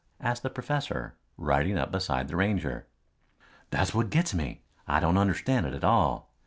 asked the professor riding up beside the Ranger. "That's what gets me. I don't understand it at all.